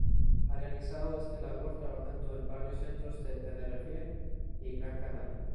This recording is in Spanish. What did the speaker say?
Ha realizado esta labor trabajando en varios centros de Tenerife y Gran Canaria.